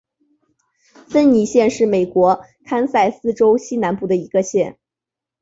芬尼县是美国堪萨斯州西南部的一个县。